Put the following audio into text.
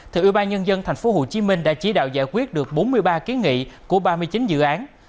thượng ủy ban nhân dân tp hcm đã chỉ đạo giải quyết được bốn mươi ba kiến nghị của ba mươi chín dự án